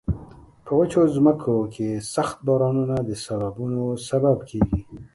په وچو ځمکو کې سخت بارانونه د سیلابونو سبب کیږي.